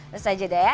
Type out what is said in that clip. lestai jeda ya